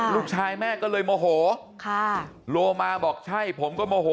ลูกชายแม่ก็เลยโมโหค่ะโลมาบอกใช่ผมก็โมโห